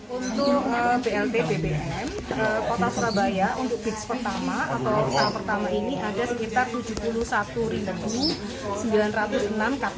untuk blt bbm kota surabaya untuk bis pertama atau tahap pertama ini ada sekitar tujuh puluh satu sembilan ratus enam km